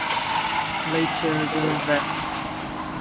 Later the Rev.